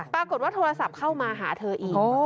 ปรากฏว่าโทรศัพท์เข้ามาหาเธอเองโอ้